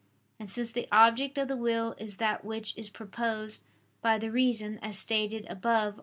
And since the object of the will is that which is proposed by the reason, as stated above (A.